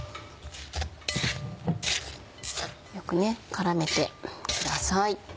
よくね絡めてください。